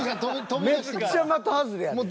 めっちゃ的外れやで。